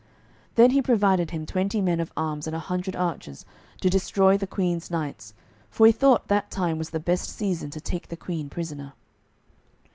Then he provided him twenty men of arms and a hundred archers, to destroy the Queen's knights, for he thought that time was the best season to take the Queen prisoner.